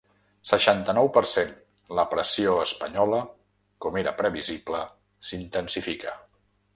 Seixanta-nou per cent La pressió espanyola, com era previsible, s’intensifica.